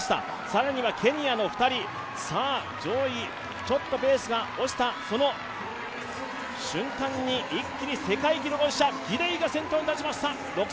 更にはケニアの２人、上位ちょっとペースが落ちた、その瞬間に一気に世界記録保持者、ギデイが先頭に立ちました。